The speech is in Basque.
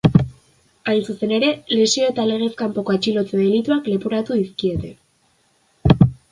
Hain zuzen ere, lesio eta legez kanpoko atxilotze delituak leporatu dizkiete.